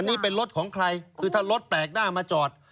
นี่เป็นรถของใครคือถ้ารถแปลกหน้ามาจอด